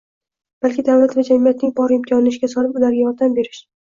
balki davlat va jamiyatning bor imkonini ishga solib ularga yordam berish